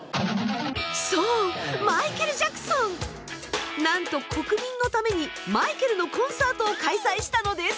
そうなんと国民のためにマイケルのコンサートを開催したのです。